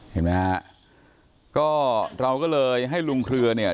เห็นไหมฮะก็เราก็เลยให้ลุงเครือเนี่ย